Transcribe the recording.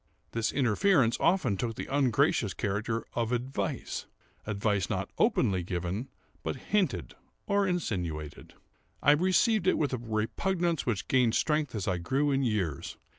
This interference often took the ungracious character of advice; advice not openly given, but hinted or insinuated. I received it with a repugnance which gained strength as I grew in years.